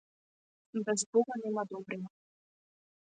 Без бога нема добрина.